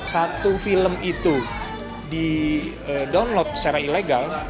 satu film itu di download secara ilegal